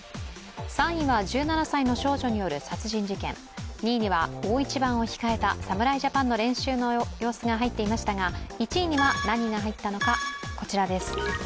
３位は１７歳の少女による殺人事件、２位には大一番を控えた侍ジャパンの練習の様子が入っていましたが１位には何が入ったのかこちらです。